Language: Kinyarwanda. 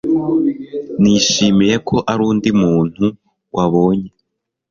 Nishimiye ko ari undi muntu wabonye